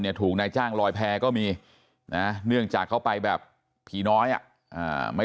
เนี่ยถูกนายจ้างลอยแพ้ก็มีเนื่องจากเขาไปแบบผีน้อยไม่